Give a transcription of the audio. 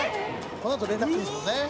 「このあと連絡くるんですもんね」